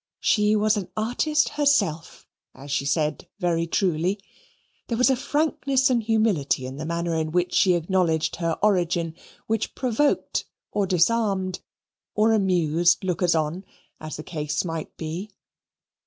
She was an artist herself, as she said very truly; there was a frankness and humility in the manner in which she acknowledged her origin, which provoked, or disarmed, or amused lookers on, as the case might be.